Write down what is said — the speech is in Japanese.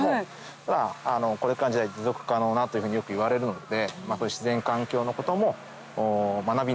ただこれからの時代「持続可能な」というふうによくいわれるので。